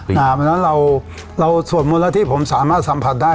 เพราะฉะนั้นเราสวดมนต์ละที่ผมสามารถสัมผัสได้